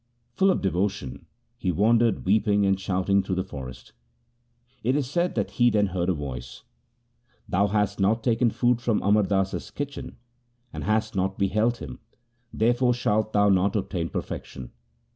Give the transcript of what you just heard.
Full of devotion he wandered weeping and shouting through the forest. It is said that he then heard a voice :' Thou hast not taken food from Amar Das's kitchen, and hast not beheld him; there fore shalt thou not obtain perfection.